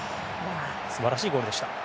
素晴らしいゴールでした。